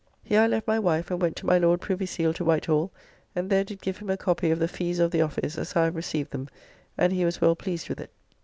Here I left my wife and went to my Lord Privy Seal to Whitehall, and there did give him a copy of the Fees of the office as I have received them, and he was well pleased with it.